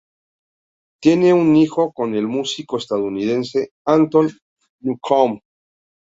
Tiene un hijo con el músico estadounidense Anton Newcombe.